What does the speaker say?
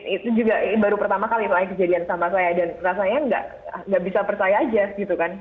itu juga baru pertama kali kejadian sama saya dan rasanya nggak bisa percaya aja gitu kan